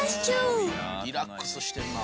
リラックスしてるな。